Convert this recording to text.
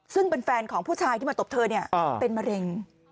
ซึ่งเป็นแฟนของผู้ชายที่มาตบเธอเป็นมะเร็ง